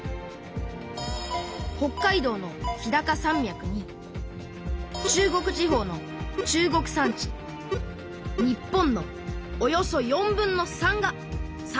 北海道の日高山脈に中国地方の中国山地日本のおよそ４分の３が山地なんです。